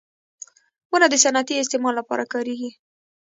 • ونه د صنعتي استعمال لپاره کارېږي.